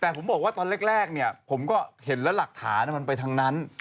แต่ผมบอกว่าตอนแรกเนี่ยผมก็เห็นแล้วหลักฐานมันไปทางนั้น